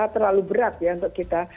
terlalu berat ya untuk kita